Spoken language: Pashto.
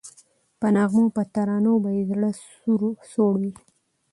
په نغمو په ترانو به یې زړه سوړ وو